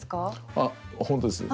あっ本当ですね。